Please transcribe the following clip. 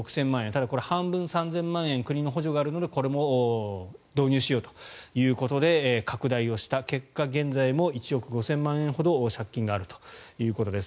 ただ、これ半分、３０００万円国の補助があるのでこれも導入しようということで拡大をした結果現在も１億５０００万円ほど借金があるということです。